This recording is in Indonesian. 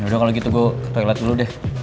ya udah kalau gitu gue ke toilet dulu deh